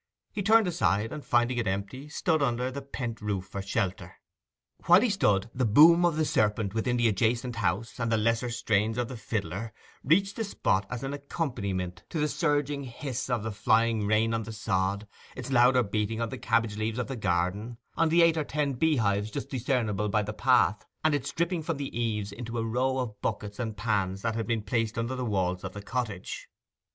He turned aside, and, finding it empty, stood under the pent roof for shelter. While he stood, the boom of the serpent within the adjacent house, and the lesser strains of the fiddler, reached the spot as an accompaniment to the surging hiss of the flying rain on the sod, its louder beating on the cabbage leaves of the garden, on the eight or ten beehives just discernible by the path, and its dripping from the eaves into a row of buckets and pans that had been placed under the walls of the cottage.